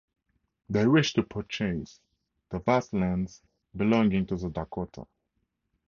They wished to purchase the vast lands belonging to the Dakota.